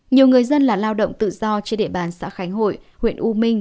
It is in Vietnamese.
nhiều người dân là lao động tự do trên địa bàn xã khánh hội huyện u minh